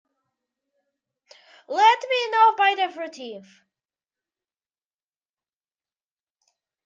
Let me know by the thirteenth.